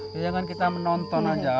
jangan kita menonton saja